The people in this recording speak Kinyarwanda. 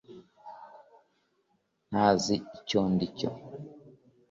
ntazi icyo ndicyo